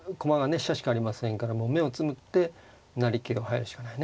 飛車しかありませんからもう目をつむって成桂を入るしかないね。